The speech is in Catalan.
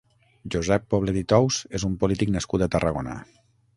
Josep Poblet i Tous és un polític nascut a Tarragona.